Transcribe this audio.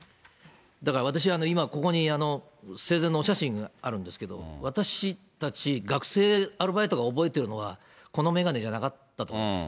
だから私は今、ここに生前のお写真があるんですけど、私たち学生アルバイトが覚えてるのは、この眼鏡じゃなかったと思うんです。